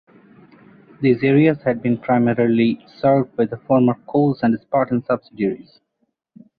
These areas had been primarily served by the former Coles and Spartan subsidiaries.